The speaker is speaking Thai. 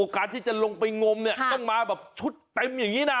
การที่จะลงไปงมเนี่ยต้องมาแบบชุดเต็มอย่างนี้นะ